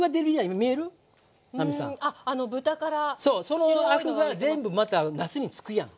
そのアクが全部またなすにつくやん。